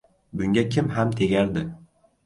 — Bunga kim ham tegardi?